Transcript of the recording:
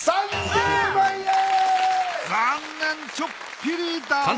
残念ちょっぴりダウン！